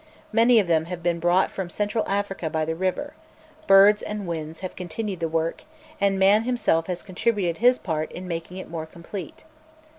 Many of them have been brought From Central Africa by the river: birds and winds have continued the work, and man himself has contributed his part in making it more complete.